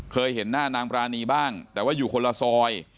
เคยเห็นหน้านางปรานีบ้างแต่ว่าอยู่คนละซอย